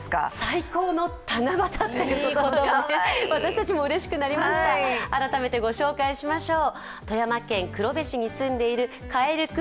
最高の七夕ということで私たちもうれしくなりました、改めてご紹介しましょう。